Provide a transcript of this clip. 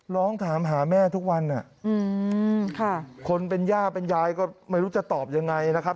ร้องถามหาแม่ทุกวันคนเป็นย่าเป็นยายก็ไม่รู้จะตอบยังไงนะครับ